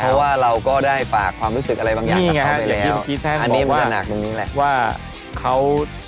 เพราะว่าเราก็ได้ฝากความรู้สึกอะไรบางอย่างกับเขาไปแล้วอันนี้มันก็หนักตรงนี้แหละว่าเขา